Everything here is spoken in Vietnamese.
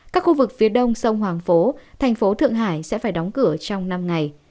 các khu vực phía đông sông hoàng phố thành phố thượng hải sẽ phải đóng cửa trong năm ngày